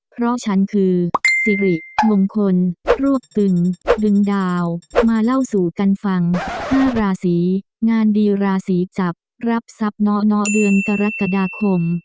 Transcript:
เพราะฉันคือสิริมงคลรวบตึงดึงดาวมาเล่าสู่กันฟัง๕ราศีงานดีราศีจับรับทรัพย์เนาะเดือนกรกฎาคม